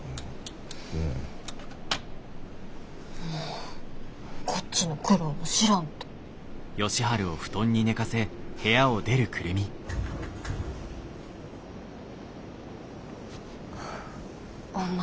もうこっちの苦労も知らんと。ホンマ